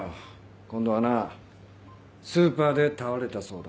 今度はなスーパーで倒れたそうだ。